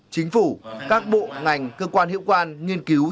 chính phủ các bộ ngành cơ quan hiệu quan nghiên cứu